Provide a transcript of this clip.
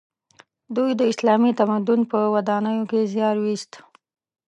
دوی د اسلامي تمدن په ودانولو کې زیار وایست.